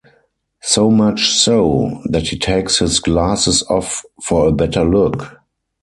So much so, that he takes his glasses off for a better look.